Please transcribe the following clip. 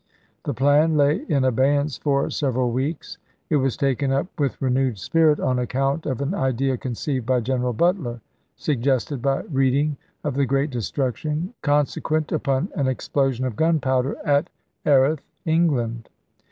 The plan lay in abeyance for several weeks. It was taken up with renewed spirit on account of an idea conceived by General Butler, suggested by reading of the great destruction con sequent upon an explosion of gunpowder at Erith, England.